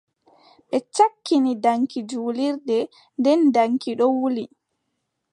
Ɓe cakkini daŋki jurlirnde, nden daŋki ɗo wuli.